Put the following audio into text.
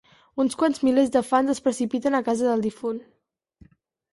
Uns quants milers de fans es precipiten a casa del difunt.